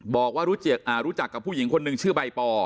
บอกว่ารู้จักกับผู้หญิงคนหนึ่งชื่อใบปอ